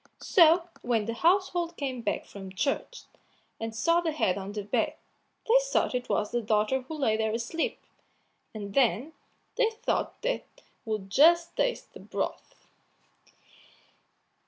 So when the household came back from church, and saw the head on the bed, they thought it was the daughter who lay there asleep; and then they thought they would just taste the broth.